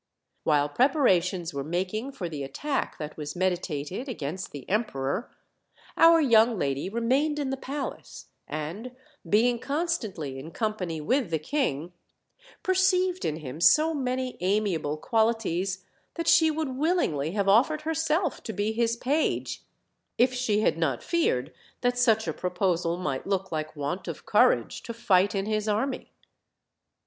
While preparations were making for the attack that was meditated against the emperor, our young lady re mained in the palace; and, being constantly in company with the king, perceived in him so many amiable qnal* ities that she would willingly have offered herself to \>9 his page, if she had not feared that such a proposal might look like Avant of courage to fight in his army.